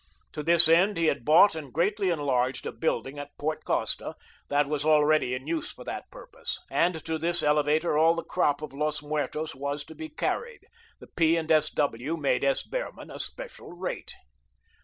To this end, he had bought and greatly enlarged a building at Port Costa, that was already in use for that purpose, and to this elevator all the crop of Los Muertos was to be carried. The P. and S. W. made S. Behrman a special rate.